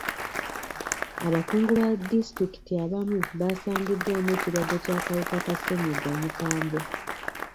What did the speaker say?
Abakungu ba disitulikiti abamu baasangiddwamu ekirwadde ky'akawuka ka ssenyiga omukambwe.